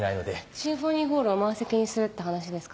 シンフォニーホールを満席にするって話ですか？